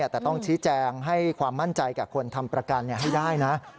แต่ต้องชี้แจงให้ความมั่นใจกับคนทำประกันให้ได้นะ